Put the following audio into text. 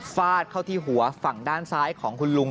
ฟาดเข้าที่หัวฝั่งด้านซ้ายของคุณลุง